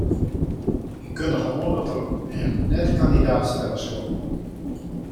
Hy kundige oan dat er him net kandidaat stelle sil.